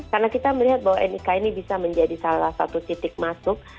karena kita melihat bahwa nik ini bisa menjadi salah satu titik masuk